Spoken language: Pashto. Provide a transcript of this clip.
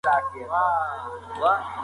د جګړې امکان کم شو، خو ټول خلک خوشحاله نه و.